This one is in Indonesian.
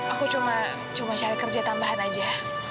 aku cuma cari kerja tambahan aja